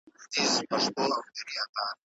موږ دواړه تا ته ناست یو، چې سپرلي سره به راشې